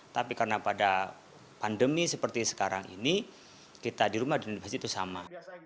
tapi karena pada pandemi seperti sekarang ini kita di rumah di masjid itu sama